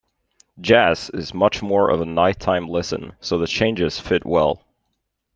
Jazz is much more of a night-time listen so the changes fit well.